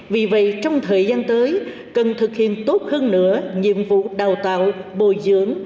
vì vậy trong thời gian tới cần thực hiện tốt hơn nữa nhiệm vụ đào tạo bồi dưỡng